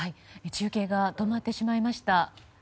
中継が止まってしまいました。